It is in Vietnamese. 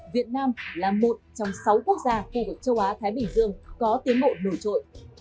việt nam là một trong sáu quốc gia khu vực châu á thái bình dương có tiến bộ nổi trội